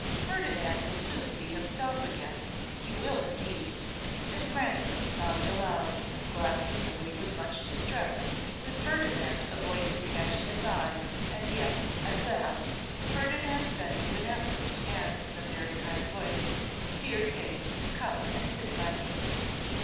Ferdinand will soon be himself again; he will indeed.' Miss Grandison sobbed aloud. Glastonbury was much distressed, but Ferdinand avoided catching his eye; and yet, at last, Ferdinand said with an effort, and in a very kind voice, 'Dear Kate, come and sit by me.